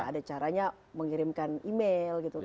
ada caranya mengirimkan email gitu